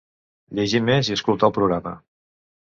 Llegir més i escoltar el programa ….